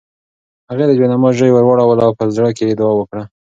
هغې د جاینماز ژۍ ورواړوله او په زړه کې یې دعا وکړه.